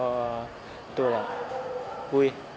và tôi là vui